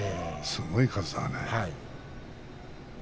すごい数だね。